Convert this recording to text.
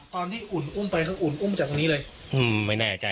ตอนนี้อุ่นอุ่นไปเขาอุ่นอุ่นจากตรงนี้เลยอือไม่แน่ใจ